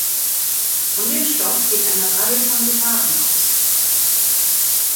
Von dem Stoff geht eine Reihe von Gefahren aus.